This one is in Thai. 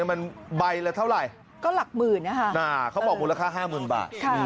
มันใบละเท่าไหร่ก็หลักหมื่นนะคะเขาบอกมูลค่า๕๐๐๐บาท